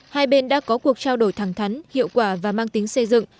hai bên đã có cuộc trao đổi thẳng thắn hiệu quả và mang tính xây dựng